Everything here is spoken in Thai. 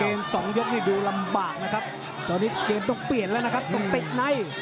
สองยกนี่ดูลำบากนะครับตอนนี้เกมต้องเปลี่ยนแล้วนะครับต้องติดใน